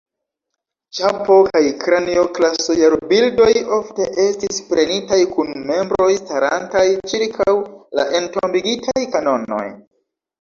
Ĉapo kaj Kranio-klaso-jarobildoj ofte estis prenitaj kun membroj starantaj ĉirkaŭ la entombigitaj kanonoj.